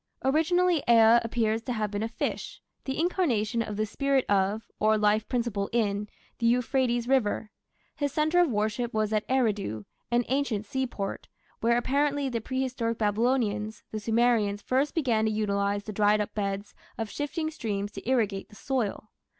Originally Ea appears to have been a fish the incarnation of the spirit of, or life principle in, the Euphrates River. His centre of worship was at Eridu, an ancient seaport, where apparently the prehistoric Babylonians (the Sumerians) first began to utilize the dried up beds of shifting streams to irrigate the soil.